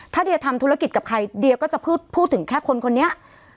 ถ้าเดียทำธุรกิจกับใครเดียก็จะพูดถึงแค่คนคนนี้